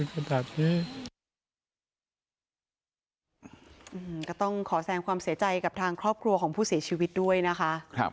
ก็ต้องขอแสงความเสียใจกับทางครอบครัวของผู้เสียชีวิตด้วยนะคะ